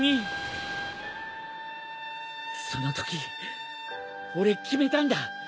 そのとき俺決めたんだ。